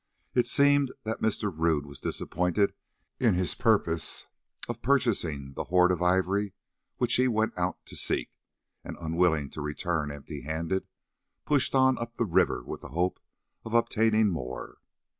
It seemed that Mr. Rodd was disappointed in his purpose of purchasing the hoard of ivory which he went out to seek, and, unwilling to return empty handed, pushed on up the river with the hope of obtaining more.